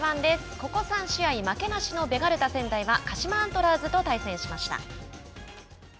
ここ３試合、負けなしのベガルタ仙台は鹿島アントラーズと対戦しました。